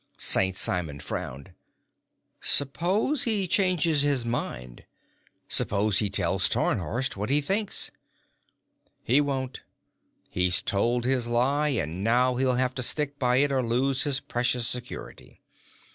St. Simon frowned. "Suppose he changes his mind? Suppose he tells Tarnhorst what he thinks?" "He won't. He's told his lie, and now he'll have to stick by it or lose his precious security.